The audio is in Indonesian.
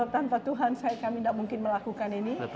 tanpa tuhan kami tidak mungkin melakukan ini